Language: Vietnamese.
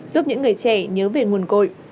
giúp những người trẻ nhớ về nguồn cội